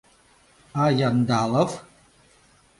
— А Яндалов?